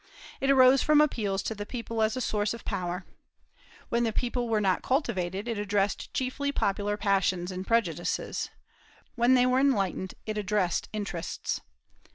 It arose from appeals to the people as a source of power: when the people were not cultivated, it addressed chiefly popular passions and prejudices; when they were enlightened, it addressed interests.